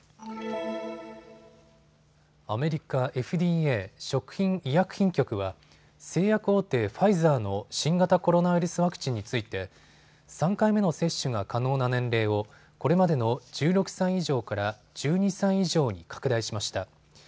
アメリカＦＤＡ・食品医薬品局は製薬大手、ファイザーの新型コロナウイルスワクチンについて３回目の接種が可能な年齢をこれまでの１６歳以上から１２歳以上に拡大しました。